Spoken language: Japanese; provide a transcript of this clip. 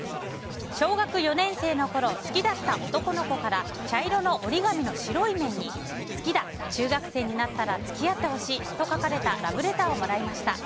小学４年生のころ好きだった男の子から茶色の折り紙の白い面に好きだ、中学生になったら付き合ってほしいと書かれたラブレターをもらいました。